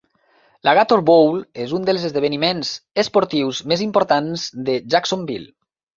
La "Gator Bowl" és un dels esdeveniments esportius més importants de Jacksonville.